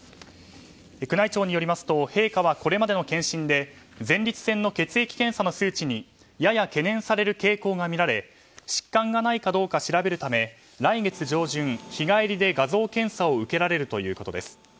宮内庁によりますと陛下はこれまでの検診で前立腺の血液検査の数値にやや懸念される傾向が見られ疾患がないかどうか調べるため来月上旬、日帰りで画像検査を受けられるということです。